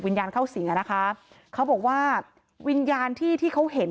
วิญญาณเข้าศรีกันนะคะเขาบอกว่าวิญญาณที่ที่เขาเห็น